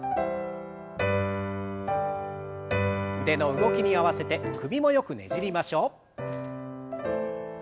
腕の動きに合わせて首もよくねじりましょう。